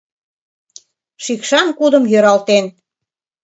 Шикшан кудым йӧралтен.